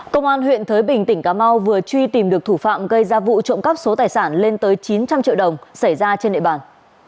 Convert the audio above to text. công an huyện thới bình tỉnh cà mau vừa truy tìm được thủ phạm gây ra vụ trộm cắp số tài sản lên tới chín trăm linh triệu đồng xảy ra trên địa bàn